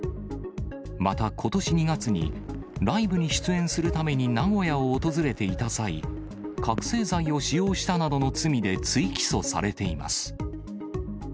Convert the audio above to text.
また、ことし２月にライブに出演するために名古屋を訪れていた際、覚醒剤を使用したなどの罪で追起訴されています。